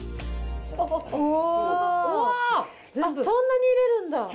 そんなに入れるんだ。